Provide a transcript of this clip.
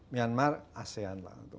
myanmar asean lah